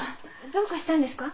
どうかしたんですか？